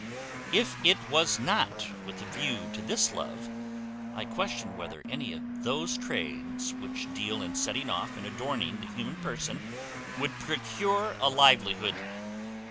If it was not with a view to this love, I question whether any of those trades which deal in setting off and adorning the human person would procure a livelihood.